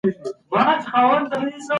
د طلا به دوه خورجینه